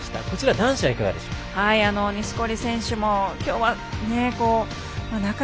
男子はいかがでしょうか？